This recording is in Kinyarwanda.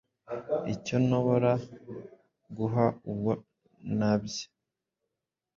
Icyo nhobora guha uwo nabye,